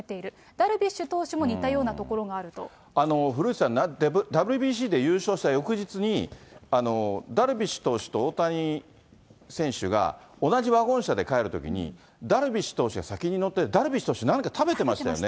ダルビッシュ投手も、古内さん、ＷＢＣで優勝した翌日に、ダルビッシュ投手と大谷選手が、同じワゴン車で帰るときに、ダルビッシュ投手が先に乗って、ダルビッシュ投手、なんか食べてましたよね。